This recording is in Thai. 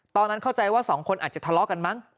เข้าใจว่าสองคนอาจจะทะเลาะกันมั้ง